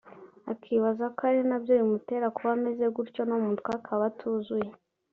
akibaza ko ari nabyo bimutera kuba ameze gutyo no mu mutwe akaba atuzuye